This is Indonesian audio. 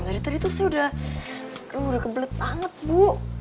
dari tadi tuh saya udah kebelet banget bu